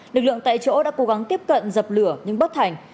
lực lượng tại chỗ đã cố gắng tiếp cận dập lửa nhưng bất thành